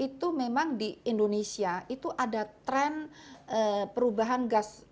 itu memang di indonesia itu ada tren perubahan gas